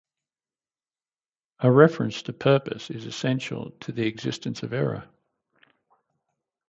A reference to purpose is essential to the existence of error.